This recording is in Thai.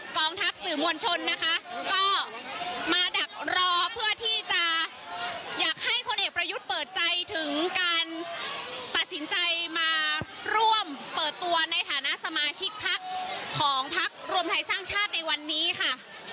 กองทัพสื่อมวลชนนะคะก็มาดักรอเพื่อที่จะอยากให้พลเอกประยุทธ์เปิดใจถึงการตัดสินใจมาร่วมเปิดตัวในฐานะสมาชิกพักของพักรวมไทยสร้างชาติในวันนี้ค่ะ